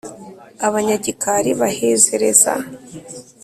Abanyagikari bahezereza